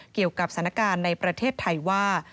เกี่ยวกับสถานการณ์ในประเทศไทยว่า